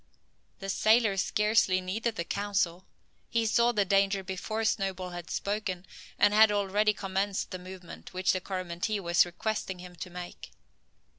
The sailor scarcely needed the counsel. He saw the danger before Snowball had spoken, and had already commenced the movement which the Coromantee was requesting him to make.